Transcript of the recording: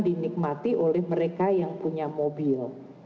dinikmati oleh mereka yang punya mobil